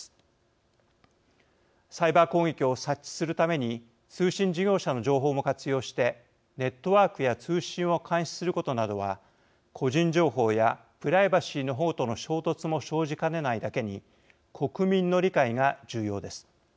サイバー攻撃を察知するために通信事業者の情報も活用してネットワークや通信を監視することなどは個人情報やプライバシーの保護との衝突も生じかねないだけに国民の理解が重要です。